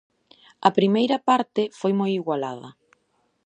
A primeira parte foi moi igualada.